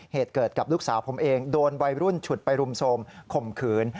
เหตุเกิดกับลูกสาวผมเองโดนวัยรุ่นฉุดไปรุมโทรมข่มขืน